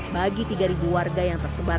bagi tiga warga yang tersebar